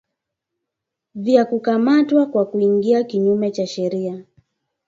vya kukamatwa kwa kuingia kinyume cha sheria